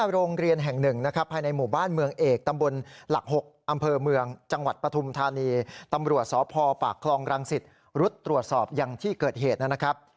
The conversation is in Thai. รุดตรวจสอบอย่างที่เกิดเหตุนะครับ